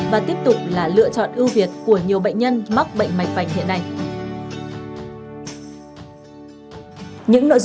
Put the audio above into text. và tiếp tục là lựa chọn ưu việt của nhiều bệnh nhân mắc bệnh mạch vạch hiện nay